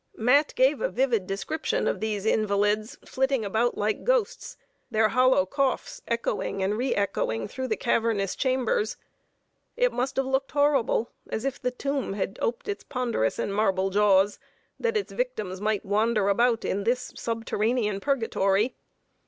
Mat gave a vivid description of these invalids flitting about like ghosts their hollow coughs echoing and reechoing through the cavernous chambers. It must have looked horrible as if the tomb had oped its ponderous and marble jaws, that its victims might wander about in this subterranean Purgatory.